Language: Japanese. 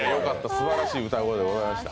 すばらしい歌声でございました。